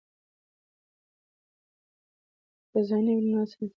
که ځای وي نو ناسته نه تنګیږي.